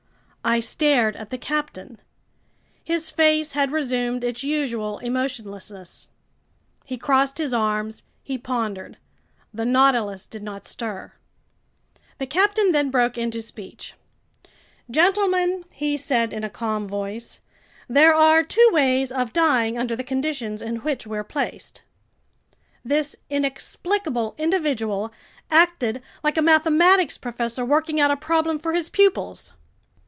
I stared at the captain. His face had resumed its usual emotionlessness. He crossed his arms. He pondered. The Nautilus did not stir. The captain then broke into speech: "Gentlemen," he said in a calm voice, "there are two ways of dying under the conditions in which we're placed." This inexplicable individual acted like a mathematics professor working out a problem for his pupils.